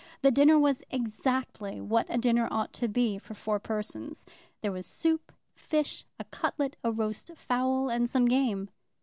The dinner was exactly what a dinner ought to be for four persons. There was soup, fish, a cutlet, a roast fowl, and some game.